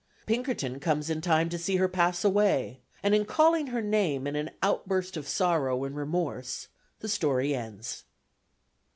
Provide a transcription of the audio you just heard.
Pinkerton comes in time to see her pass away, and in calling her name in an outburst of sorrow and remorse, the story ends.